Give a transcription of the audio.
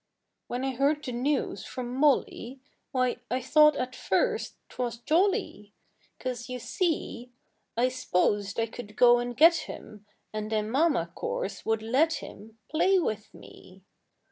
When I heard the news from Molly, Why, I thought at first 't was jolly, 'Cause, you see, I s'posed I could go and get him And then Mama, course, would let him Play with me.